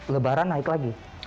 lebaran naik lagi